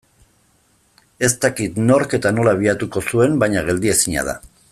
Ez dakit nork eta nola abiatuko zuen baina geldiezina da.